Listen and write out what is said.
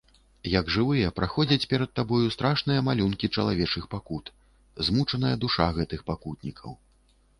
Як жывыя, праходзяць перад табою страшныя малюнкі чалавечых пакут, змучаная душа гэтых пакутнікаў.